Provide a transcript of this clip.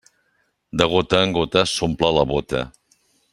De gota en gota s'omple la bóta.